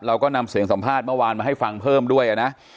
เราก็นำเสียงสัมภาษณ์เมื่อวานมาให้ฟังเพิ่มด้วยนะ